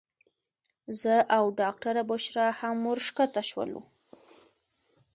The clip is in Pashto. زه او ډاکټره بشرا هم ورښکته شولو.